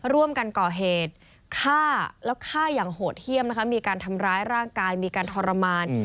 ร่วมกันก่อเหตุฆ่าแล้วฆ่าอย่างโหดเยี่ยมนะคะมีการทำร้ายร่างกายมีการทรมาน